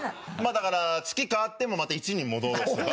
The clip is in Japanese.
だから月変わってもまた１に戻せば。